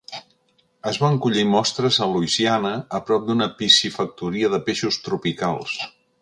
Es van collir mostres a Louisiana a prop d'una piscifactoria de peixos tropicals.